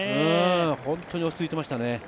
本当に落ち着いていましたね。